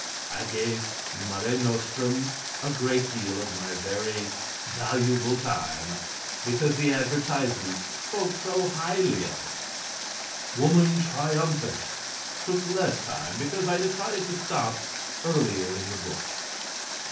I gave "Mare Nostrum" a great deal of my very valuable time because the advertisements spoke so highly of it. "Woman Triumphant" took less time because I decided to stop earlier in the book.